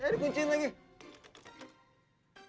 eh dikunciin lagi